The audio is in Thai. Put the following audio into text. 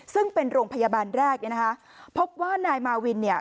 ซึ่งเป็นโรงพยาบาลแรกเนี่ยนะคะพบว่านายมาวินเนี่ย